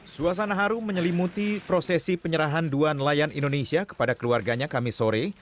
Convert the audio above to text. suasana harum menyelimuti prosesi penyerahan dua nelayan indonesia kepada keluarganya kami sore